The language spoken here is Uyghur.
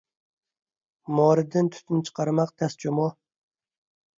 مورىدىن تۈتۈن چىقارماق تەس جۇمۇ!